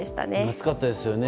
暑かったですよね。